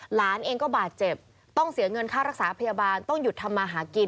หลานเองก็บาดเจ็บต้องเสียเงินค่ารักษาพยาบาลต้องหยุดทำมาหากิน